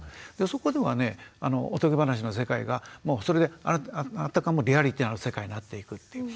そこではねおとぎ話の世界がもうそれであたかもリアリティーな世界になっていくっていう。